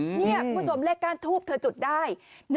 เนี่ยคุณผู้ชมเลขก้านทูบเธอจุดได้๑๗๕